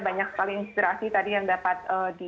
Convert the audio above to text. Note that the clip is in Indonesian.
banyak sekali inspirasi tadi yang dapat di